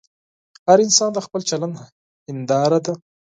هر انسان د خپل چلند هنداره ده.